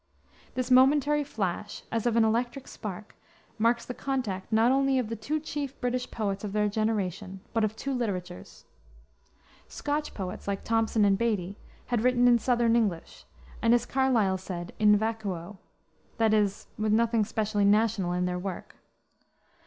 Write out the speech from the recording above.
This momentary flash, as of an electric spark, marks the contact not only of the two chief British poets of their generation, but of two literatures. Scotch poets, like Thomson and Beattie, had written in Southern English, and, as Carlyle said, in vacuo, that is, with nothing specially national in their work.